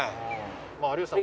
有吉さん